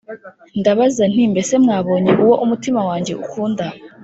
Ndabaza nti “Mbese mwabonye uwo umutima wanjye ukunda?”